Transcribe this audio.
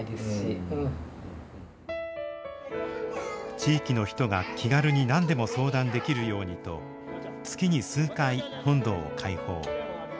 地域の人が気軽に何でも相談できるようにと月に数回本堂を開放。